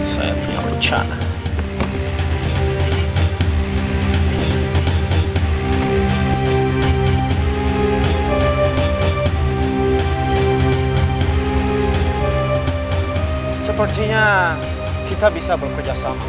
saya tahu tempat yang nyaman untuk kita bicara